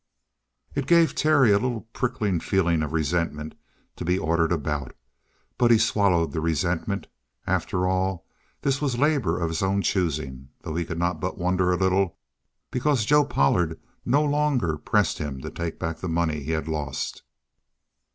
It gave Terry a little prickling feeling of resentment to be ordered about. But he swallowed the resentment. After all, this was labor of his own choosing, though he could not but wonder a little, because Joe Pollard no longer pressed him to take back the money he had lost.